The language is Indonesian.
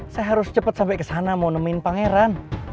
saya harus cepat sampai kesana mau nemuin pangeran